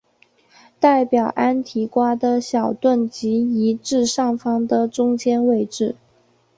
代表安提瓜的小盾即移至上方的中间位置。